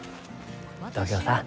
東京さん